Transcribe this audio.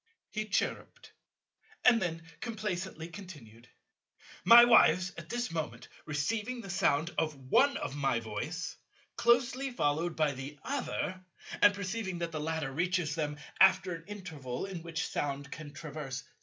He chirruped, and then complacently continued: "My wives at this moment receiving the sound of one of my voice, closely followed by the other, and perceiving that the latter reaches them after an interval in which sound can traverse 6.